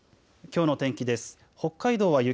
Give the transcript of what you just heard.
きょうの天気です。